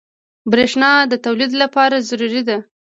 بریښنا د تولید لپاره ضروري ده.